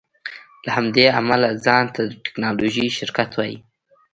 له همدې امله ځان ته د ټیکنالوژۍ شرکت وایې